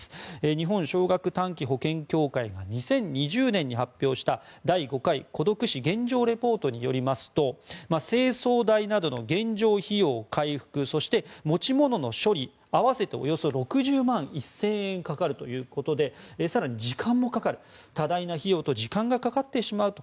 日本少額短期保険協会が２０２０年に発表した第５回孤独死現状レポートによりますと清掃代などの原状回復費用そして持ち物の処理合わせておよそ６０万１０００円かかるということで多大な費用と時間がかかってしまうと。